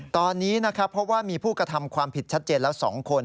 ตอนนี้นะครับเพราะว่ามีผู้กระทำความผิดชัดเจนแล้ว๒คน